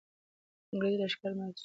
انګریزي لښکر مات سوی وو.